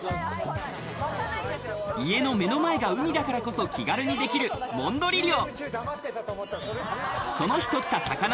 家の目の前が海だからこそ気軽にできる、もんどり漁。